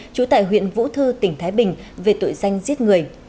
trú tại huyện vũ thư tỉnh thái bình về tội danh giết người